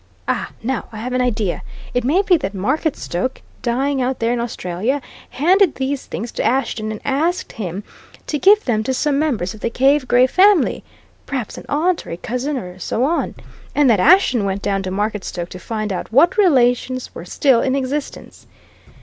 Ah! now I have an idea! It may be that Marketstoke, dying out there in Australia, handed these things to Ashton and asked him to give them to some members of the Cave Gray family perhaps an aunt, or a cousin, or so on and that Ashton went down to Marketstoke to find out what relations were still in existence.